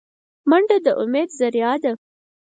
منډه د امید ذریعه ده